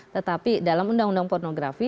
tetapi dalam undang undang pornografi